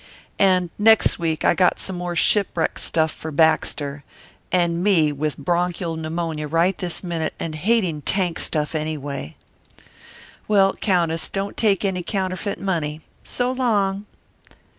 And next week I got some shipwreck stuff for Baxter, and me with bronchial pneumonia right this minute, and hating tank stuff, anyway. Well, Countess, don't take any counterfeit money. So long."